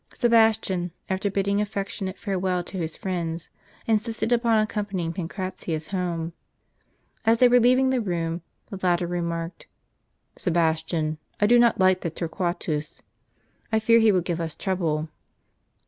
Sebastian, after bidding affectionate farewell to his friends, insisted upon accompanying Pancratius home. As they were leaving the room, the latter remarked, " Sebastian, I do not like that Torquatus. I fear he will give us trouble."